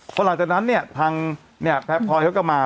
เพราะหลังจากนั้นเนี่ยพระพรอยเขาก็มา